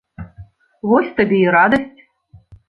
Вось табе і радасць.